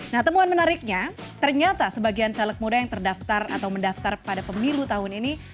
nah temuan menariknya ternyata sebagian caleg muda yang terdaftar atau mendaftar pada pemilu tahun ini